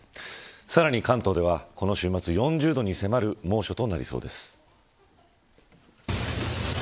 さらに関東ではこの週末４０度に迫る猛暑となりそうです。